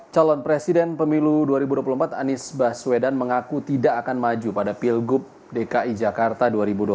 calon presiden pemilu dua ribu dua puluh empat anies baswedan mengaku tidak akan maju pada pilgub dki jakarta dua ribu dua puluh